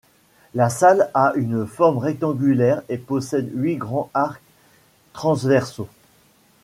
La salle a une forme rectangulaire et possède huit grands arcs transversaux.